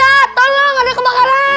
aku apa tersend trouh alexandria